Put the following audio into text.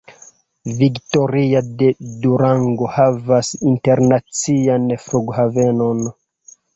Victoria de Durango havas internacian flughavenon.